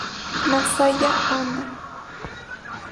Masaya Honda